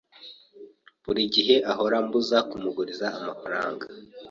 Buri gihe ahora ambuza kumuguriza amafaranga.